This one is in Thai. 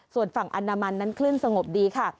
ส่วนฝั่งอนามันนั้นคลื่นสงบดีค่ะ